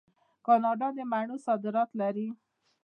کاناډا د مڼو صادرات لري.